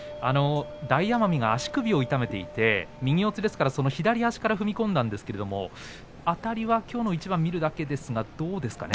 大奄美が足首を痛めていて右四つですから左足から踏み込んだんですがあたりはきょうの一番を見てどうですか？